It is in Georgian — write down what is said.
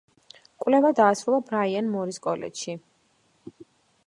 კვლევა დაასრულა ბრაიან მორის კოლეჯში.